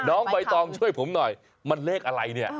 น้องใบตองช่วยผมหน่อยมันเลขอะไรเนี่ย